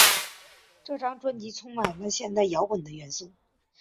这张专辑充满了现代摇滚的元素。